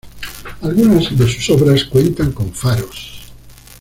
Algunas de sus obras cuentan con faros.